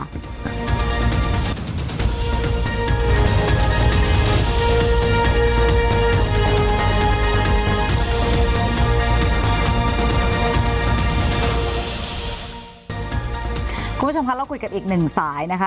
คุณผู้ชมคะเราคุยกับอีกหนึ่งสายนะคะ